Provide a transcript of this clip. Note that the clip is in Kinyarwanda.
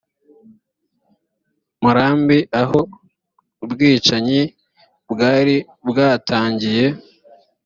murambi aho ubwicanyi bwari bwatangiye